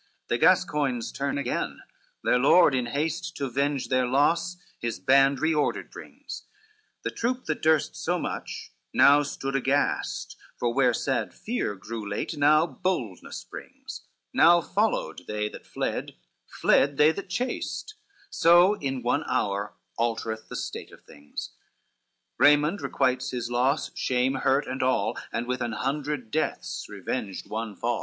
LXXXVIII The Gascoigns turn again, their lord in haste To venge their loss his band recorded brings, The troop that durst so much now stood aghast, For where sad fear grew late, now boldness springs, Now followed they that fled, fled they that chased; So in one hour altereth the state of things, Raymond requites his loss, shame, hurt and all, And with an hundred deaths revenged one fall.